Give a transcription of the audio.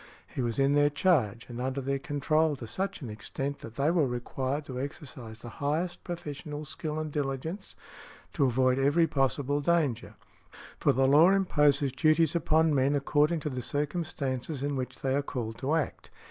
He was in their |164| charge and under their control to such an extent that they were required to exercise the highest professional skill and diligence to avoid every possible danger; for the law imposes duties upon men according to the circumstances in which they are called to act.